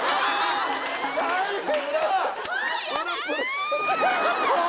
大変だ！わ！